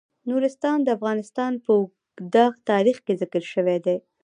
نورستان د افغانستان په اوږده تاریخ کې ذکر شوی دی.